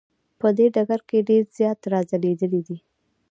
په دې ډګر کې ډیر زیات را ځلیدلی دی.